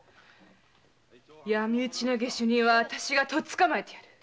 闇討ちの下手人はあたしがとっ捕まえてやる。